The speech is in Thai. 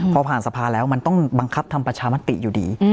พอผ่านสภาแล้วมันต้องบังคับทำประชามติอยู่ดี